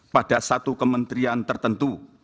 pada satu kementerian tertentu